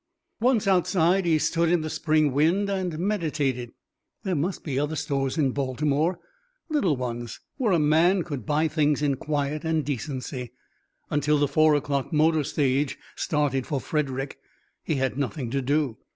Once outside he stood in the spring wind and meditated. There must be other stores in Baltimore, little ones, where a man could buy things in quiet and decency. Until the four o'clock motor stage started for Frederick he had nothing to do.